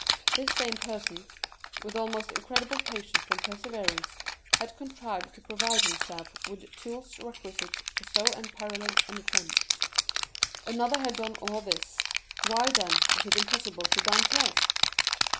This same person, with almost incredible patience and perseverance, had contrived to provide himself with tools requisite for so unparalleled an attempt. Another had done all this; why, then, was it impossible to Dantès?